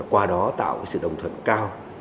qua đó tạo sự đồng thuận cao